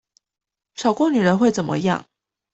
少過女人會怎麼樣？